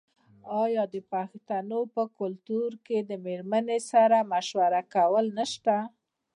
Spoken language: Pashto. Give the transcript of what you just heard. آیا د پښتنو په کلتور کې د میرمنې سره مشوره کول نشته؟